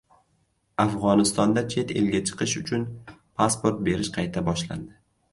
Afg‘onistonda chet elga chiqish uchun pasport berish qayta boshlandi